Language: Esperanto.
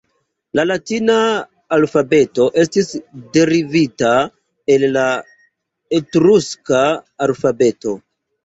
La Latina alfabeto estis derivita el la Etruska alfabeto.